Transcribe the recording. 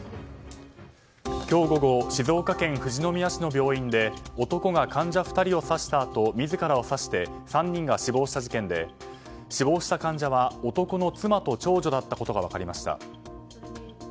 今日午後静岡県富士宮市の病院で男が患者２人を刺したあと自らを刺して３人が死亡した事件で死亡した患者は男の妻と長女だったことが分かりました。